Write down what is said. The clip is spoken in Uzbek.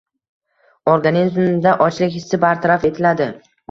Organizmda ochlik hissi bartaraf etiladi